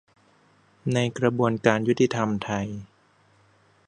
ในกระบวนการยุติธรรมไทย